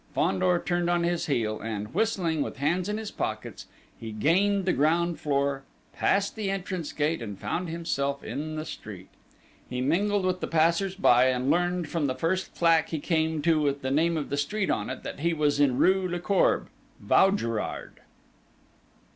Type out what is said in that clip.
Fandor turned on his heel, and, whistling, with hands in pockets, he gained the ground floor, passed the entrance gate, and found himself in the street. He mingled with the passers by, and learned from the first plaque he came to with the name of the street on it, that he was in rue Lecourbe, Vaugirard....